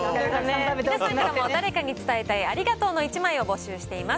皆さんからも誰かに伝えたいありがとうの１枚を募集しています。